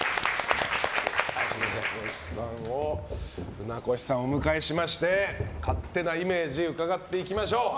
船越さんをお迎えしまして勝手なイメージ伺っていきましょう。